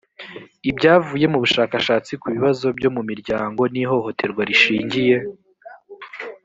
ibyavuye mu bushakashatsi ku bibazo byo mu miryango n ihohoterwa rishingiye